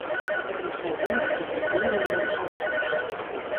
Лхазын дқьаӷьариуан рҳәашт.